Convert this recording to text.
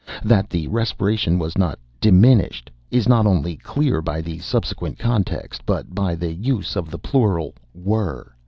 That the respiration was not 'diminished,' is not only clear by the subsequent context, but by the use of the plural, 'were.